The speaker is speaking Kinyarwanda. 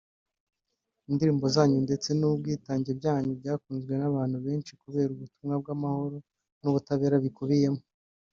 Indirimbo zanyu ndetse n’ubwitange bwanyu byakunzwe n’abantu benshi kubera ubutumwa bw’amahoro n’ubutabera bikubiyemo